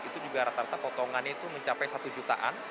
itu juga rata rata potongannya itu mencapai satu jutaan